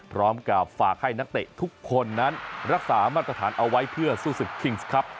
พร้อมกับฝากให้นักเตะทุกคนนั้นรักษามาตรฐานเอาไว้เพื่อสู้ศึกคิงส์ครับ